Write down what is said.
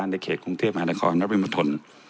ในรายเขตกรุงเทพหมานครนับริมทน